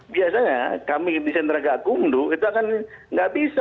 biasanya kami di sendera gagungdu itu akan nggak bisa